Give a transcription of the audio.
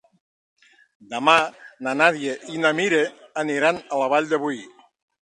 Demà na Nàdia i na Mira aniran a la Vall de Boí.